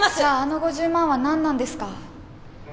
じゃああの５０万は何なんですか？